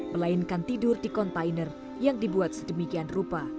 melainkan tidur di kontainer yang dibuat sedemikian rupa